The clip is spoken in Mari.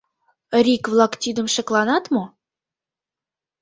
Рик-влак тидым шекланат мо?